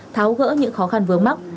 tháo gỡ những khó khăn vướng mắc